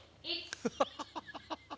ハハハハ！